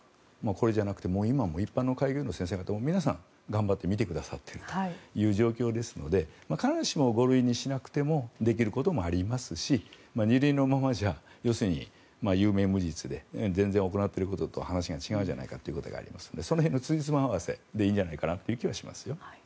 これじゃなくて今も開業医の先生方皆さん頑張って診てくださっているという状況ですので必ずしも５類にしなくてもできることはありますし２類のままでは有名無実で全然行っていることと話が違うじゃないかということがありますのでその辺のつじつま合わせでいいという気がします。